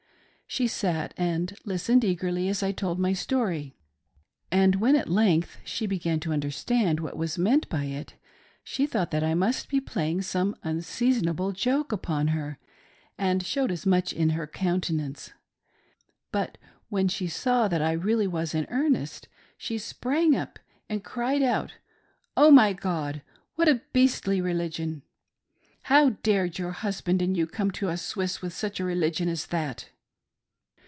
She sat and listened eagerly as I told my story ; and when A WOMAN S INDIGNATION. I47 fit length she began to understand what was tneknt by it, she thought that I must be playing some unseasonable joke upon her, and showed as much in her countenance. But when she saw that I really was in earnest, she sprang up and cried out :" Oh, my God ! what a beastly religion ! How dared your husband and you come to us Swiss with such a religion as that?"